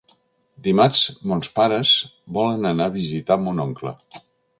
Dimarts mons pares volen anar a visitar mon oncle.